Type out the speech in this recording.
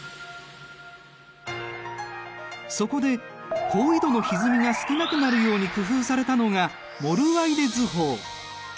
そこで高緯度のひずみが少なくなるように工夫されたのがモルワイデ図法。